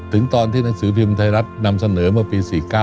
ตอนที่หนังสือพิมพ์ไทยรัฐนำเสนอเมื่อปี๔๙